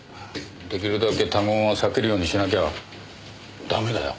出来るだけ他言は避けるようにしなきゃダメだよ？